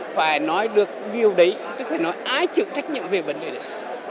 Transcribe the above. phải nói được điều đấy tức là nói ai chủ tách nhiệm về vấn đề đấy